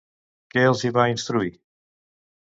Què els hi va instruir?